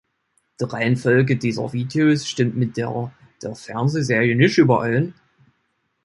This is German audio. Die Reihenfolge dieser Videos stimmt mit der der Fernsehserie nicht überein.